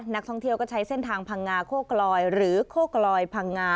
นักท่องเที่ยวก็ใช้เส้นทางพังงาโคกลอยหรือโคกลอยพังงา